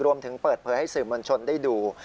รวมถึงเปิดเผยให้สื่อมวลชนได้ดู